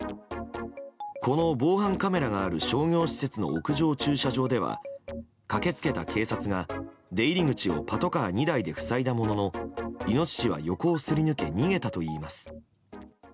この防犯カメラがある商業施設の屋上駐車場では駆け付けた警察が出入り口をパトカー２台で塞いだものの、イノシシは横をすり抜け逃げたといいます。